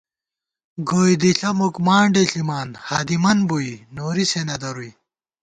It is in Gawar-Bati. گوئے دِݪہ مُک مانڈے ݪِمان، ہادِمن بُوئی نوری سے نہ درُوئی